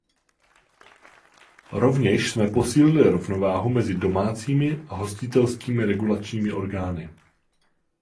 Rovněž jsme posílili rovnováhu mezi domácími a hostitelskými regulačními orgány.